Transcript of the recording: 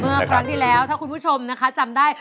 เหมือนทาวันที่เดียวคุณผู้ชมนะคะได้